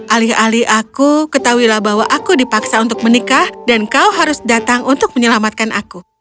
alih alih aku ketahuilah bahwa aku dipaksa untuk menikah dan kau harus datang untuk menyelamatkan aku